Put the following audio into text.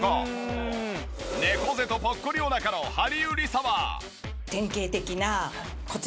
猫背とぽっこりお腹のハリウリサは。